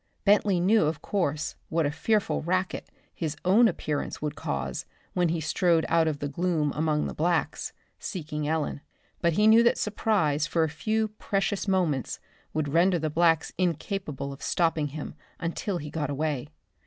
Bentley knew of course what a fearful racket his own appearance would cause when he strode out of the gloom among the blacks, seeking Ellen. But he knew that surprise for a few precious moments would render the blacks incapable of stopping him until he got away.